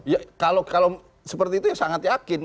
ya kalau seperti itu ya sangat yakin